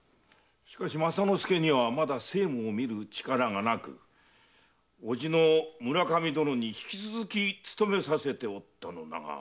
しかし政之助にはまだ政務をみる力がなく叔父の村上殿に引き続き勤めさせておったのだが。